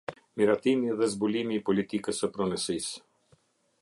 Miratimi dhe Zbulimi i Politikës së Pronësisë.